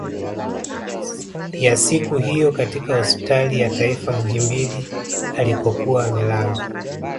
Ya siku hiyo katika hospitali ya taifa Muhimbili alikokuwa amelazwa